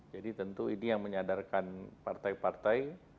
jadi tentu ini yang menyadarkan partai partai